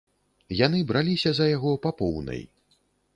Яны браліся за яго па поўнай.